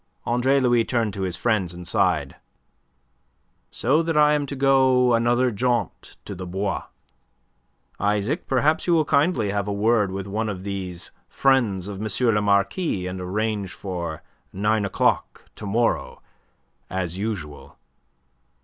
Andre Louis turned to his friends and sighed. "So that I am to go another jaunt to the Bois. Isaac, perhaps you will kindly have a word with one of these friends of M. le Marquis', and arrange for nine o'clock to morrow, as usual."